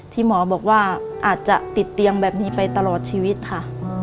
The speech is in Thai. ที่หมอบอกว่าอาจจะติดเตียงแบบนี้ไปตลอดชีวิตค่ะ